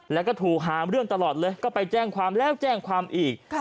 แล้วก็ถูกหาเรื่องตลอดเลยก็ไปแจ้งความแล้วแจ้งความอีก